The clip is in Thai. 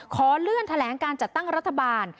ขอเลื่อนแถลงการจัดตั้งรัฐบาล